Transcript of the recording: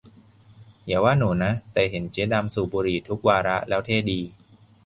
อย่าว่าหนูนะ แต่เห็นเจ๊ดำสูบบุหรี่ทุกวาระแล้วเท่ดี !